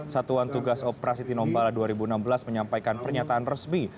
satuan tugas operasi tinombala dua ribu enam belas menyampaikan pernyataan resmi